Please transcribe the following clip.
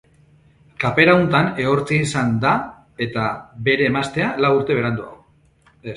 Kapera huntan ehortzia izan da bai eta bere emaztea, lau urte beranduago.